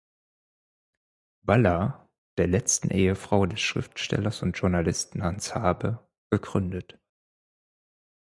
Balla, der letzten Ehefrau des Schriftstellers und Journalisten Hans Habe, gegründet.